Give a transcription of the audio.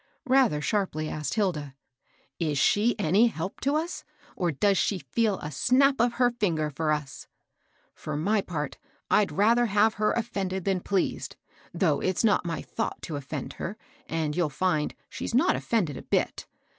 rather sharply asked Hilda. ••Is she any help to us ? or does she feel a snap of her fin ger for us ? For my part, I'd rather have her of fended than pleased; though it's not my thought to ofiend her, and you'll find she's not offended a bit.